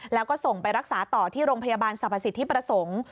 แล้วก็ส่งไปรักษาต่อที่โรงพยาบาลสรรพสิทธิประสงค์